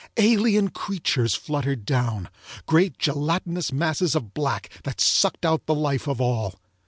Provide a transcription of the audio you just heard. Alien creatures fluttered down, great gelatinous masses of black that sucked out the life of all.